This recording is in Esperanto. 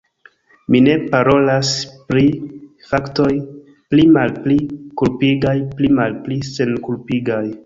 Mi ne parolas pri faktoj pli malpli kulpigaj, pli malpli senkulpigaj.